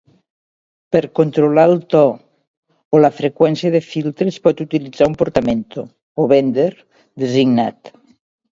Per controlar el to o la freqüència de filtre es pot utilitzar un portamento (o bender) designat.